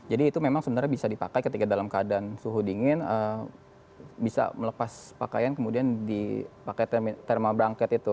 jadi itu memang sebenarnya bisa dipakai ketika dalam keadaan suhu dingin bisa melepas pakaian kemudian dipakai thermal blanket itu